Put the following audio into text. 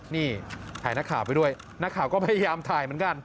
นี่ถ่ายนักข่าวไปด้วยนักข่าวก็พยายามถ่ายเหมือนกัน